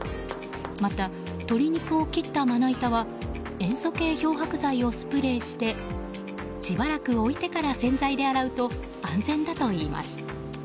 また、鶏肉を切ったまな板は塩素系漂白剤をスプレーしてしばらく置いてから洗剤で洗うと安全だといいます。